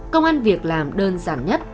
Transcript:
công an việc làm đơn giản nhất